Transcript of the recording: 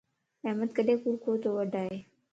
احمد ڪڏين ڪوڙ ڪوتو وڊائي